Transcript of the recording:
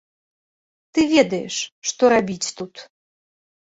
Ты ведаеш, што рабіць тут.